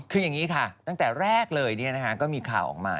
คืออย่างนี้ค่ะตั้งแต่แรกเลยก็มีข่าวออกมา